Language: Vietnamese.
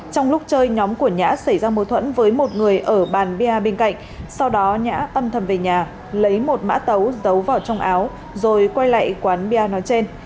trong lúc chơi nhóm của nhã xảy ra mối thuẫn với một người ở bàn bia bên cạnh sau đó nhã âm thầm về nhà lấy một mã tấu giấu vào trong áo rồi quay lại quán bia nói trên